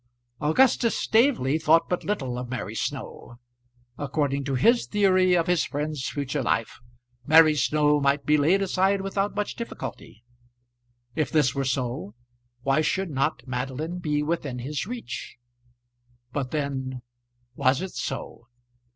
Augustus Staveley thought but little of Mary Snow. According to his theory of his friend's future life, Mary Snow might be laid aside without much difficulty. If this were so, why should not Madeline be within his reach? But then was it so?